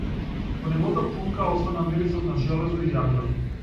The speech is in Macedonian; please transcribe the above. Во неговата плунка остана мирисот на железо и јаглен.